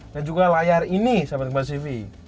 dan juga layar ini sambat kebasi v